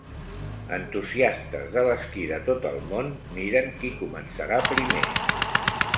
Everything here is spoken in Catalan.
Entusiastes de l'esquí de tot el món miren qui començarà primer.